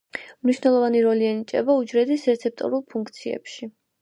მნიშვნელოვანი როლი ენიჭება უჯრედის რეცეპტორულ ფუნქციებში.